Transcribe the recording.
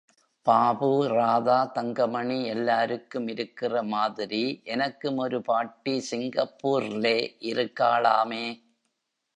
பாபு, ராதா, தங்கமணி எல்லாருக்கும் இருக்கிற மாதிரி எனக்கும் ஒரு பாட்டி சிங்கப்பூர்லே இருக்காளாமே.